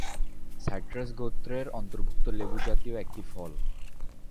Citrus গোত্রের অন্তর্ভুক্ত লেবুজাতীয় একটি ফল।